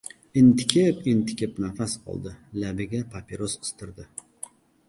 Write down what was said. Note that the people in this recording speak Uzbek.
Entikib-entikib nafas oldi. Labiga papiros qistirdi.